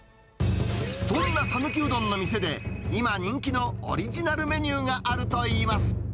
そんな讃岐うどんの店で、今、人気のオリジナルメニューがあるといいます。